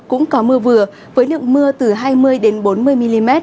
cũng có mưa vừa với lượng mưa từ hai mươi bốn mươi mm